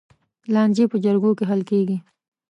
لانجې په جرګو حل کېږي.